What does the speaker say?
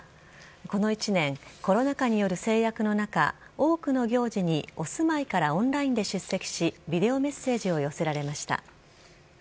この一年、コロナ禍による制約の中、多くの行事にお住まいからオンラインで出席し、ビデオメッセージを寄せられました。